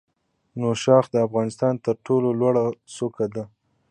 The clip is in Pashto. نوشاخ د افغانستان تر ټولو لوړه څوکه ده